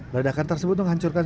ledakan tersebut menghancurkan